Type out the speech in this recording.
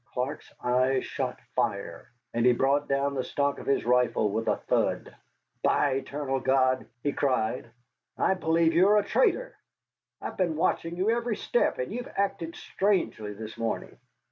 Clark's eyes shot fire, and he brought down the stock of his rifle with a thud. "By the eternal God!" he cried, "I believe you are a traitor. I've been watching you every step, and you've acted strangely this morning."